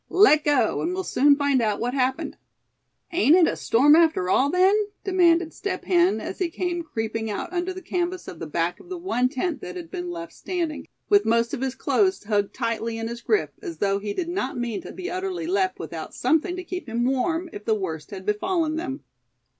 Let go, and we'll soon find out what happened." "Ain't it a storm after all then?" demanded Step Hen, as he came creeping out under the canvas of the back of the one tent that had been left standing, with most of his clothes hugged tightly in his grip, as though he did not mean to be utterly left without something to keep him warm, if the worst had befallen them.